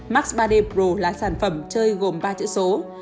max ba d pro là sản phẩm chơi gồm ba chữ số